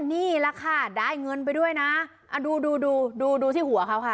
นี่แหละค่ะได้เงินไปด้วยนะดูดูดูดูดูที่หัวเขาค่ะ